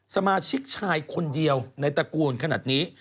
สมาชิกชายคนเดียวในตระกูลขนาดนี้